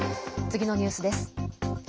次のニュースです。